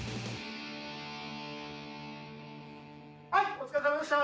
お疲れさまでした。